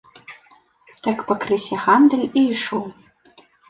Так пакрысе гандаль і ішоў.